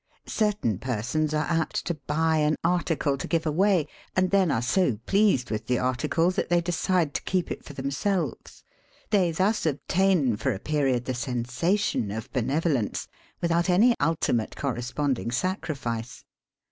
Certain persons are apt to buy an article to give away, and then are so pleased with the article that they decide to keep it for them selves. They thus obtain for a period the sensa tion of benevolence without any ultimate cor responding sacrifice.